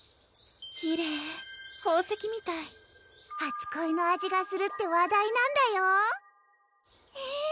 きれい宝石みたい初恋の味がするって話題なんだよえ